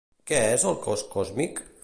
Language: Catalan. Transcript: Què és el cos còsmic?